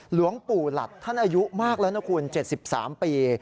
หลวงปู่หลัดท่านอายุมากแล้วนะคุณ๗๓ปี